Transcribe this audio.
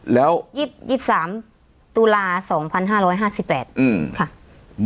แล้ว๒๓ตุลา๒๕๕๘ค่ะ